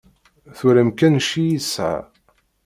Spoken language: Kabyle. Twalam kan cci i yesɛa.